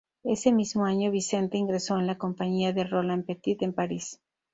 Ese mismo año Vicente ingresó en la compañía de Roland Petit, en París.